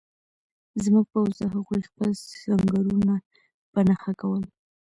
زموږ پوځ د هغوی خپل سنګرونه په نښه کول